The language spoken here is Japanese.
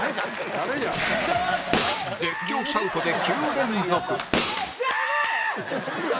絶叫シャウトで９連続ああーっ！！